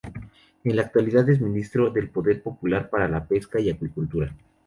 En la actualidad es Ministro del Poder Popular para la Pesca y Acuicultura.